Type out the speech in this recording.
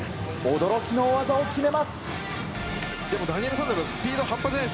驚きの技を決めます。